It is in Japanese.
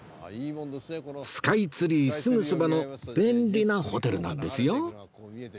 スカイツリーすぐそばの便利なホテルなんですよ